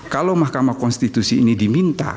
kalau mahkamah konstitusi ini diminta